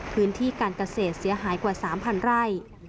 พื้นที่การเกษตรเสียหายกว่า๓๐๐ไร่